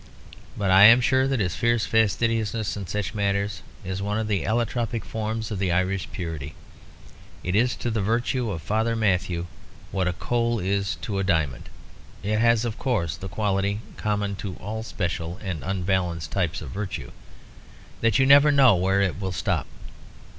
But I am sure that his fierce fastidiousness in such matters is one of the allotropic forms of the Irish purity; it is to the virtue of Father Matthew what a coal is to a diamond. It has, of course, the quality common to all special and unbalanced types of virtue, that you never know where it will stop.